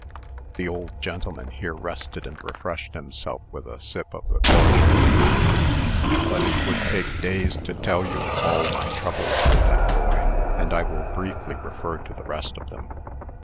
The old gentleman here rested, and refreshed himself with a sip of the cordial. "But it would take days to tell you of all my troubles with that boy, and I will briefly refer to the rest of them.